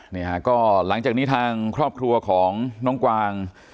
นี่ฮะก็หลังจากนี้ทางครอบครัวของน้องกวาง